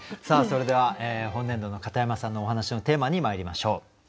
さあそれでは本年度の片山さんのお話のテーマにまいりましょう。